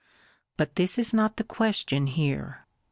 But this is not the ques tion here.